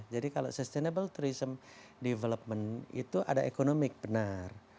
jadi kalau sustainable tourism development itu ada ekonomi benar